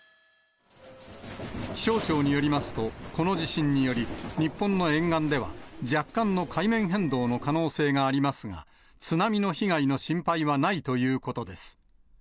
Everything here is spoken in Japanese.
気象庁によりますと、この地震により、日本の沿岸では若干の海面変動の可能性がありますが、津波の被害の心配はないということです。